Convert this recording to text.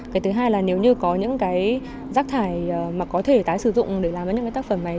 cái thứ hai là nếu như có những cái rác thải mà có thể tái sử dụng để làm ra những cái tác phẩm này